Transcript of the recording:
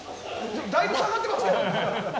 だいぶ下がってますけど。